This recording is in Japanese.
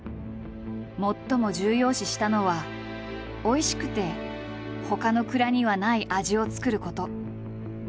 最も重要視したのはおいしくてほかの蔵にはない味を造ること。